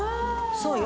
そうよ。